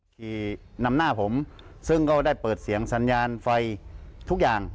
ขี่นำหน้าผมซึ่งก็ได้เปิดเสียงสัญญาณไฟทุกอย่าง